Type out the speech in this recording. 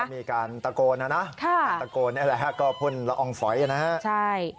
มันก็มีการตะโกนอ่ะนะค่ะการตะโกนนี่แหละฮะก็พลลองฝอยอ่ะนะฮะใช่